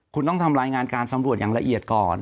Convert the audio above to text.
คุณต้องทำรายงานการสำรวจอย่างละเอียดก่อน